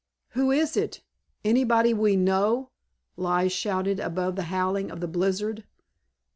"Who is it? Anybody we know?" Lige shouted above the howling of the blizzard.